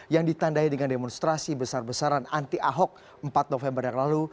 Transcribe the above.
yang ditandai dengan demonstrasi besar besaran anti ahok empat november yang lalu